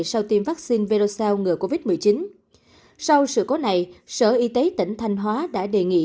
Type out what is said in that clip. sau tiêm vaccine verosa ngừa covid một mươi chín sau sự cố này sở y tế tỉnh thanh hóa đã đề nghị